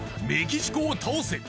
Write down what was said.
「メキシコを倒せ！」